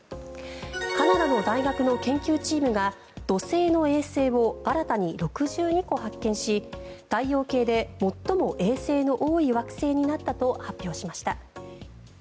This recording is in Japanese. カナダの大学の研究チームが土星の衛星を新たに６２個発見し太陽系で最も衛星の多い惑星になったと発表しました。